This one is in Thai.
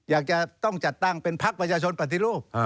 อยากจะต้องจัดตั้งเป็นพักประชาชนปฏิรูป